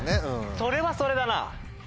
それはそれだな。